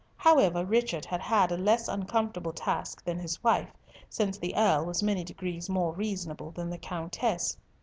However, Richard had had a less uncomfortable task than his wife, since the Earl was many degrees more reasonable than the Countess.